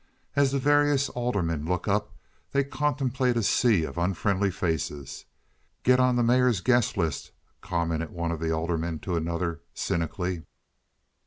As the various aldermen look up they contemplate a sea of unfriendly faces. "Get on to the mayor's guests," commented one alderman to another, cynically.